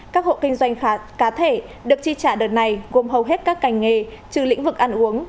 các hộ kinh doanh cá thể được chi trả đợt này gồm hầu hết các cành nghề trừ lĩnh vực ăn uống